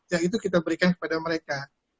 dan itu kita berikan kepada mereka